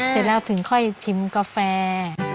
เสร็จแล้วถึงค่อยชิมกาแฟ